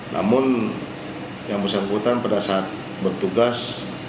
namun yang bersangkutan pada saat bertugas